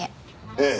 ええ。